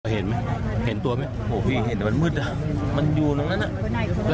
เห็นไหมเห็นตัวไหมโอ้โหพี่เห็นแต่มันมืดอ่ะมันอยู่ตรงนั้นอ่ะ